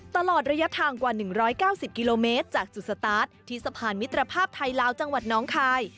ตลอดระยะทางกว่า๑๙๐กิโลเมตรจากจุดสตาร์ทที่สะพานมิตรภาพไทยลาวจังหวัดน้องคาย